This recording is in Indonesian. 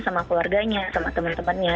sama keluarganya sama teman temannya